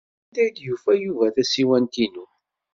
Anda ay yufa Yuba tasiwant-inu?